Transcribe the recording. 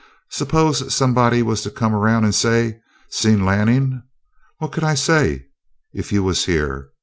Suppose somebody was to come around and say, 'Seen Lanning?' What could I say, if you was here?